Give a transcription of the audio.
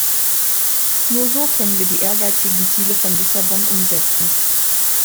Nur so können wir die ehrgeizigen Ziele von Lissabon umsetzen.